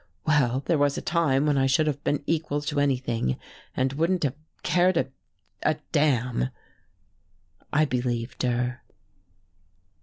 Well, there was a time when I should have been equal to anything and wouldn't have cared a a damn." I believed her....